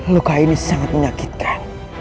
luka ini sangat menyakitkan